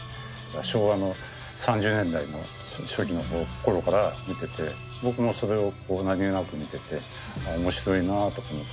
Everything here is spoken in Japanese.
昭和の３０年代の初期の頃から見てて僕もそれをこう何気なく見ててあ面白いなあとか思って。